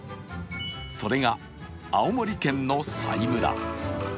それが青森県の佐井村。